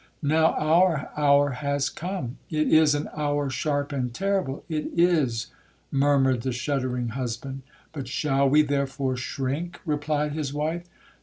Now, our hour has come,—it is an hour sharp and terrible!'—'It is!' murmured the shuddering husband. 'But shall we therefore shrink?' replied his wife.